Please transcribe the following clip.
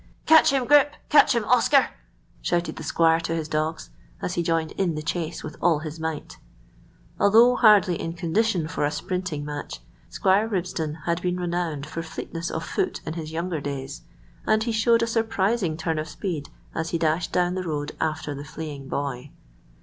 "Catch him, Grip; catch him, Oscar!" shouted the squire to his dogs, as he joined in the chase with all his might. Although hardly in condition for a sprinting match, Squire Bibston had been renowned for fleetness of foot in his younger days, and he showed a surprising turn of speed as he dashed down the road after the fleeing boy.